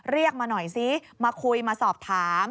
เรียกมาหน่อยซิมาคุยมาสอบถาม